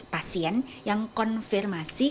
pasien yang konfirmasi